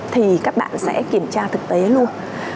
thì các bạn sẽ kiểm tra thực tế luôn